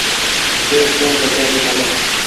ڪي سون ڪچآري ڪرون ۔